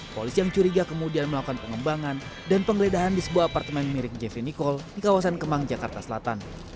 polisi yang curiga kemudian melakukan pengembangan dan penggeledahan di sebuah apartemen mirip jeffrey nicole di kawasan kemang jakarta selatan